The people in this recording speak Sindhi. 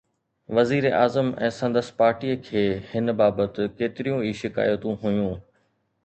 وزيراعظم ۽ سندس پارٽيءَ کي هن بابت ڪيتريون ئي شڪايتون هيون.